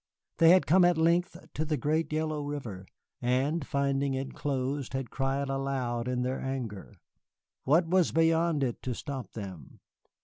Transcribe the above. They had come at length to the great yellow River, and finding it closed had cried aloud in their anger. What was beyond it to stop them?